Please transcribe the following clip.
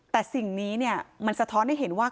แต่สิ่งนี้มันสะท้อนให้เห็นว่า